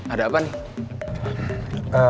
ada apa nih